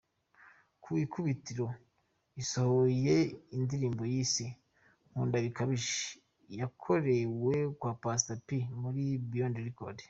Ku ikubitiro asohoye indirimbo yise ‘Ngukunda bikabije’ yakoreye kwa Pastor P muri Beyond Record.